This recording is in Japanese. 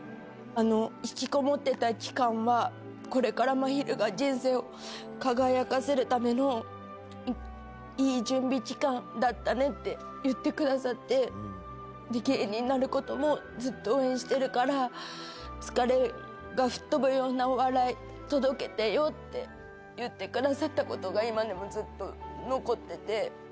引きこもってた期間は、これからまひるが人生を輝かせるためのいい準備期間だったねって言ってくださって、芸人になることもずっと応援してるから、疲れが吹っ飛ぶようなお笑い届けてよって言ってくださったことが、今でもずっと残ってて。